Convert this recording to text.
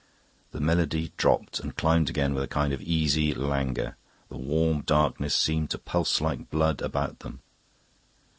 The melody drooped and climbed again with a kind of easy languor; the warm darkness seemed to pulse like blood about them.